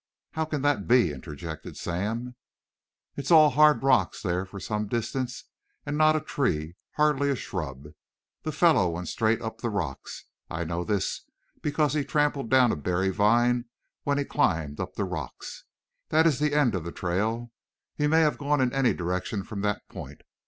"How can that be?" interjected Sam. "It is all hard rocks there for some distance and not a tree, hardly a shrub. The fellow went straight up the rocks. I know this because he trampled down a berry vine when he climbed up the rocks. That is the end of the trail. He may have gone in any direction from that point.